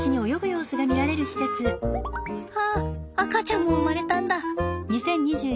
あっ赤ちゃんも生まれたんだ。